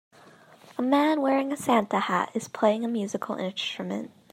A man wearing a Santa hat is playing a musical instrument.